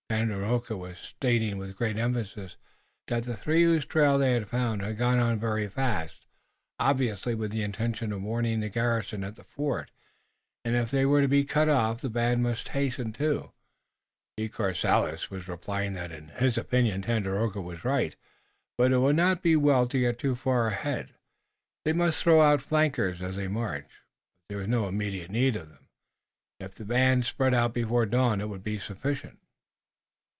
Tandakora was stating with great emphasis that the three whose trail they had found had gone on very fast, obviously with the intention of warning the garrison at the fort, and if they were to be cut off the band must hasten, too. De Courcelles was replying that in his opinion Tandakora was right, but it would not be well to get too far ahead. They must throw out flankers as they marched, but there was no immediate need of them. If the band spread out before dawn it would be sufficient.